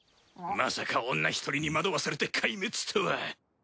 まさか女一人に惑わされて壊滅とは。